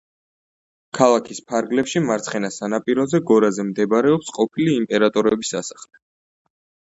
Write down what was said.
ქალაქის ფარგლებში მარცხენა სანაპიროზე, გორაზე მდებარეობს ყოფილი იმპერატორების სასახლე.